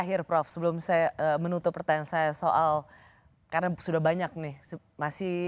akhir prof sebelum saya menutup pertanyaan saya soal karena sudah banyak nih masih